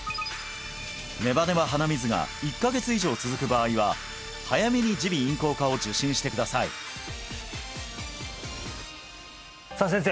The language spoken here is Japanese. ネバネバ鼻水が１カ月以上続く場合は早めに耳鼻咽喉科を受診してくださいさあ先生